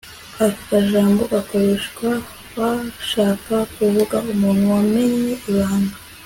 aka kajambo gakoreshwa bashaka kuvuga umuntu wamennye ibanga